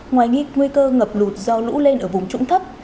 ngoài nghi cơ ngập lụt do lũ lên ở vùng trũng thấp